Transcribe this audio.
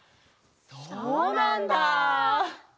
そうなんだ！